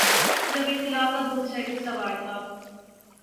جب انقلاب کا بھوت سر پہ سوار تھا۔